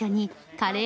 カレー。